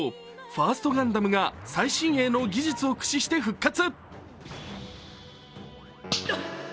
ファースト・ガンダムが最新鋭の技術を駆使して復活。